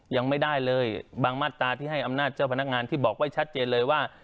ยังไม่ได้เลยบางมาตราที่ให้อำนาจเจ้าพนักงานที่บอกไว้ชัดเจนเลยว่า